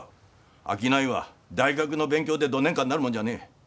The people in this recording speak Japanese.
商いは大学の勉強でどねんかなるもんじゃねえ。